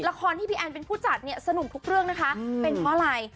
ละครที่พี่แอนเป็นผู้จัดเนี่ยสนุกทุกเรื่องนะคะเป็นเพราะอะไร